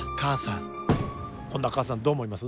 こんな母さんどう思います？